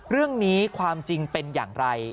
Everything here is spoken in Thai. เรื่องนี้ความจริงเป็นอย่างไร